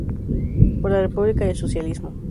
Por la República y el Socialismo".